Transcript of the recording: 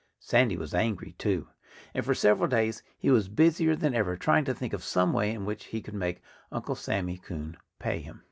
Sandy was angry, too. And for several days he was busier than ever, trying to think of some way in which he could make Uncle Sammy Coon pay him.